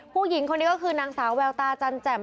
ผู้หญิงคนนี้ก็คือนางสาวแววตาจันแจ่ม